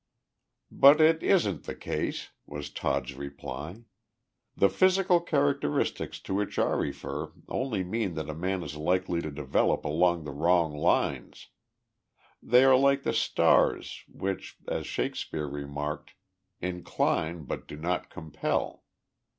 "But it isn't the case," was Todd's reply. "The physical characteristics to which I refer only mean that a man is likely to develop along the wrong lines. They are like the stars which, as Shakespeare remarked, 'incline, but do not compel.'